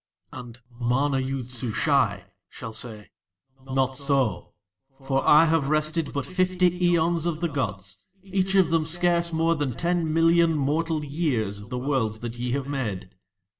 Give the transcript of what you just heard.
And MANA YOOD SUSHAI shall say: "Not so; for I have rested for but fifty aeons of the gods, each of them scarce more than ten million mortal years of the Worlds that ye have made."